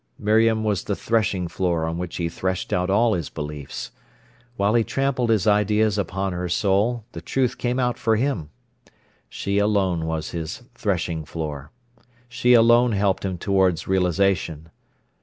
Miriam was the threshing floor on which he threshed out all his beliefs. While he trampled his ideas upon her soul, the truth came out for him. She alone was his threshing floor. She alone helped him towards realisation.